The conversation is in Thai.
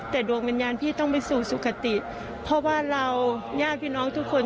แต่ดวงวิญญาณพี่ต้องไปสู่สุขติเพราะว่าเราญาติพี่น้องทุกคน